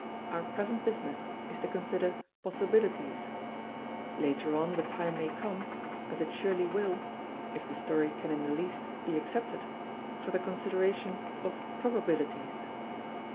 Our present business is to consider possibilities. Later on the time may come as it surely will; if the story can in the least be accepted for the consideration of probabilities.